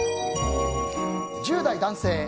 １０代男性。